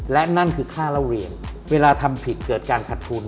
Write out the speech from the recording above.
และนั่นคือค่าเล่าเรียนเวลาทำผิดเกิดการขัดทุน